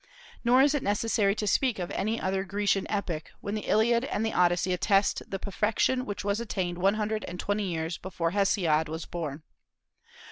Nor is it necessary to speak of any other Grecian epic, when the Iliad and the Odyssey attest the perfection which was attained one hundred and twenty years before Hesiod was born.